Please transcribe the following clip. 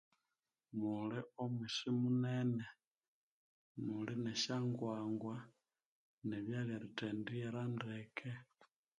Muli omwisi munene muli nesya ngwangwa ne byalya erithendyera ndeke